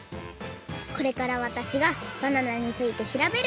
これからわたしがバナナについてしらべるよ！